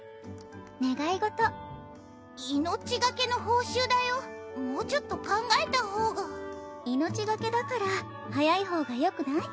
願い事命懸けの報酬だよもうちょっと考えた方が命懸けだから早い方がよくない？